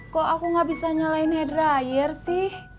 kok aku gak bisa nyalain head dryer sih